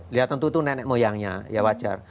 lihat tentu itu nenek moyangnya ya wajar